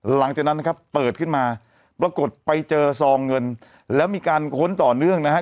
หลังจากนั้นนะครับเปิดขึ้นมาปรากฏไปเจอซองเงินแล้วมีการค้นต่อเนื่องนะฮะ